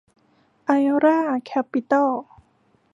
ไอร่า แคปปิตอล